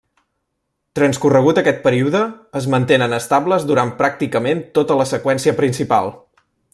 Transcorregut aquest període, es mantenen estables durant pràcticament tota la seqüència principal.